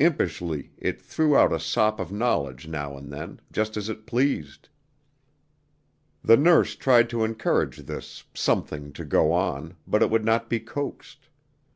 Impishly, it threw out a sop of knowledge now and then, just as it pleased. The nurse tried to encourage this Something to go on, but it would not be coaxed.